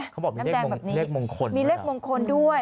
เขาบอกมีเลขมงครมีเลขมงครด้วย